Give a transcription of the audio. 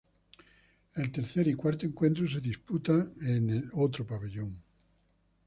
El tercer y cuarto encuentro se disputa el en otro pabellón.